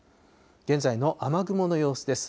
現在の雨雲の様子です。